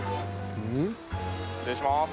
失礼します。